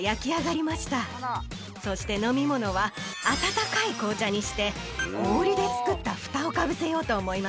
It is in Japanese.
そして飲み物は温かい紅茶にして氷で作ったフタをかぶせようと思います。